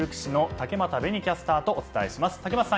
竹俣さん